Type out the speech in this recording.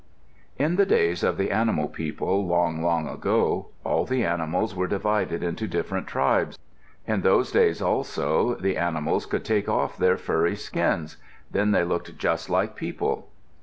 In the days of the animal people, long, long ago, all the animals were divided into different tribes. In those days also, animals could take off their furry skins; then they looked just like people.